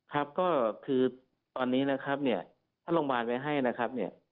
ครับก็คือตอนนี้นะครับเนี่ยถ้าโรงพยาบาลไว้ให้นะครับเนี่ย